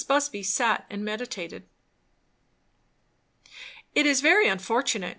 Busby sat and meditated. "It is very unfortunate!"